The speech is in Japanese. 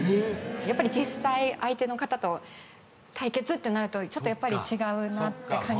やっぱり実際相手の方と対決ってなるとちょっとやっぱり違うなって環境的に。